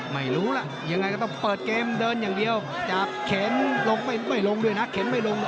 ไม่รู้ล่ะยังไงก็ต้องเปิดเกมเดินอย่างเดียวจับเข็นลงไม่ลงด้วยนะเข็นไม่ลง